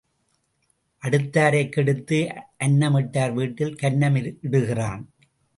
அடுத்தாரைக் கெடுத்து அன்னம் இட்டார் வீட்டில் கன்னம் இடுகிறான்.